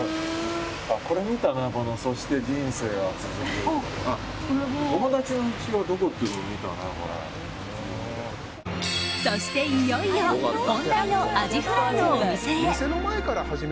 そして、いよいよ本題のアジフライのお店へ。